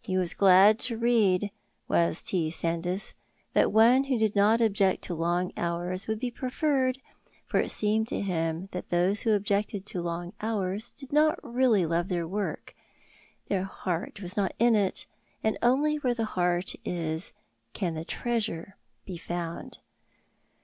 He was glad to read, was T. Sandys, that one who did not object to long hours would be preferred, for it seemed to him that those who objected to long hours did not really love their work, their heart was not in it, and only where the heart is can the treasure be found.